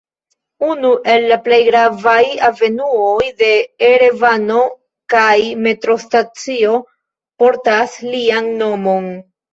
Unu el la plej gravaj avenuoj de Erevano kaj metrostacio portas lian nomon.